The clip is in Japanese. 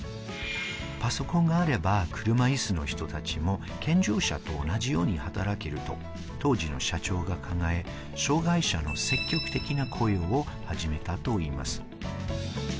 パソコンがあれば車いすの人たちも健常者と同じように働けると当時の社長が考え、障害者の積極的な雇用を始めたといいます。